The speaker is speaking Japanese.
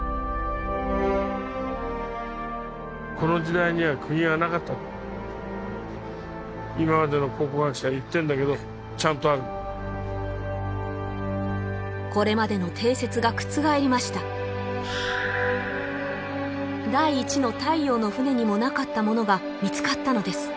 この時代には釘はなかった今までの考古学者は言ってんだけどちゃんとあるこれまでの定説が覆りました第一の太陽の船にもなかったものが見つかったのです